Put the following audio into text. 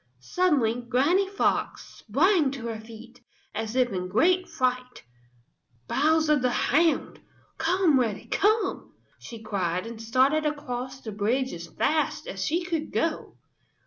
Suddenly Granny Fox sprang to her feet, as if in great fright. "Bowser the Hound! Come, Reddy, come!" she cried, and started across the bridge as fast as she could go.